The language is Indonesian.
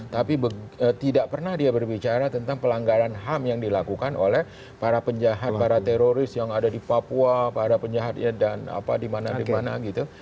tapi tidak pernah dia berbicara tentang pelanggaran ham yang dilakukan oleh para penjahat para teroris yang ada di papua para penjahatnya dan apa di mana di mana gitu